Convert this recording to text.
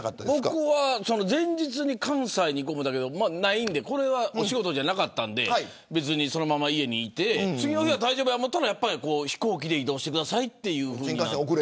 僕は前日に関西に行こうと思ったけどこれはお仕事じゃなかったんでそのまま家にいて次の日は大丈夫かと思ったら飛行機で移動してくださいとなって。